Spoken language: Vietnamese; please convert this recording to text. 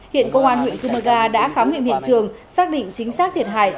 hiện công an huyện cư mơ ga đã khám nghiệm hiện trường xác định chính xác thiệt hại